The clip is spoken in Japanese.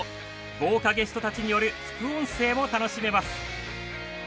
豪華ゲストたちによる副音声も楽しめます。